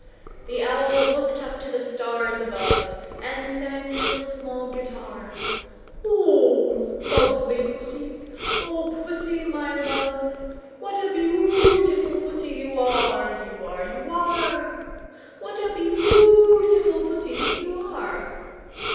The Owl looked up to the stars above, And sang to a small guitar, "O lovely Pussy, O Pussy, my love, What a beautiful Pussy you are, You are, You are! What a beautiful Pussy you are!"